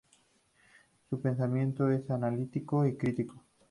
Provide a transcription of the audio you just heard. Su pensamiento es analítico y crítico.